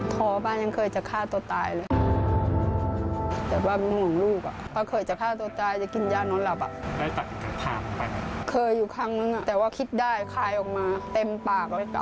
เธออยู่ข้างนั้นแต่ว่าคิดได้คลายออกมาเต็มปาก